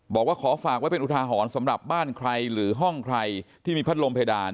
บอกว่าขอฝากไว้เป็นอุทาหรณ์สำหรับบ้านใครหรือห้องใครที่มีพัดลมเพดาน